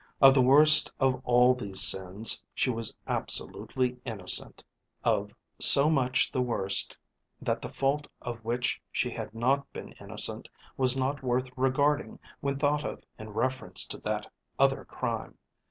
Of the worst of all these sins she was absolutely innocent; of so much the worst that the fault of which she had not been innocent was not worth regarding when thought of in reference to that other crime.